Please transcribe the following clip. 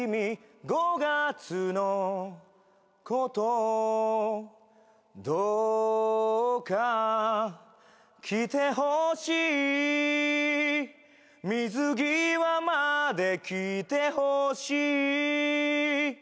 五月のことどうか来てほしい水際まで来てほしい